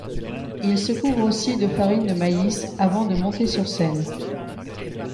Il se couvre aussi de farine de maïs avant de monter sur scène.